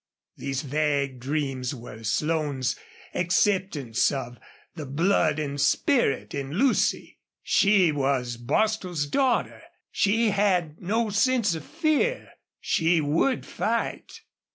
These vague dreams were Slone's acceptance of the blood and spirit in Lucy. She was Bostil's daughter. She had no sense of fear. She would fight.